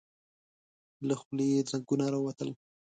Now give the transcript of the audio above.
له خولې يې ځګونه راووتل.